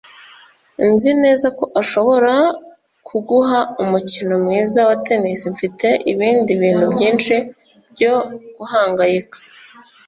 Nzi neza ko ashobora kuguha umukino mwiza wa tennis. Mfite ibindi bintu byinshi byo guhangayika.